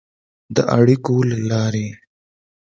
د اړیکو له لارې